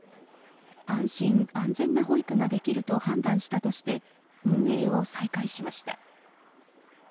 安心・安全な保育ができると判断したとして運営を再開しました。